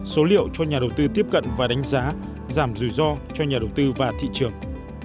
số liệu cho nhà đầu tư tiếp cận và đánh giá giảm rủi ro cho nhà đầu tư và thị trường